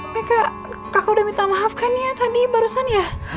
beka kakak udah minta maaf kan ya tadi barusan ya